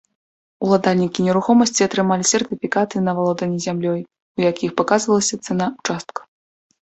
Уладальнікі нерухомасці атрымалі сертыфікаты на валоданне зямлёй, у якіх паказвалася цана ўчастка.